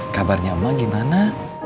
kabarnya emak gimana